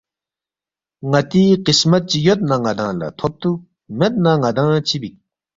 ن٘تی قسمت چی یود نہ ن٘دانگ لہ تھوبتُوک، مید نہ ن٘دانگ چِہ بیک؟“